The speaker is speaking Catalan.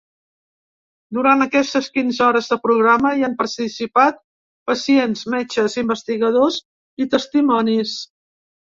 Durant aquestes quinze hores de programa, hi han participat pacients, metges, investigadors i testimonis.